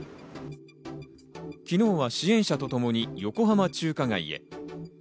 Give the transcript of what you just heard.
昨日は支援者とともに横浜中華街へ。